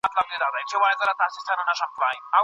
مشران په بهرني سیاست کي څه لټوي؟